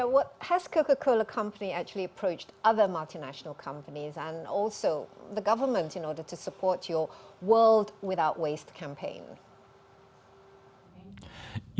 apakah perusahaan coca cola telah menghadapi perusahaan multinasional lain dan juga pemerintah untuk mendukung kampanye world without waste anda